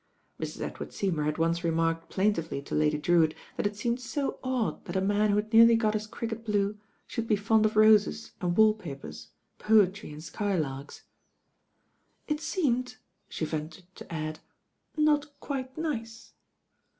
Mrs. Edward Seymour had once remarked plain tively to Lady Drewitt that it seemed so odd that a man who had nearly got his cricket "blue" should Be fond of roses and wall papers, poetry and sky larks. "It seemed," she ventured to add, "not quite nice."